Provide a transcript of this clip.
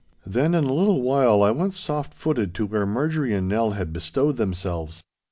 Then in a little I went soft footed to where Marjorie and Nell had bestowed themselves.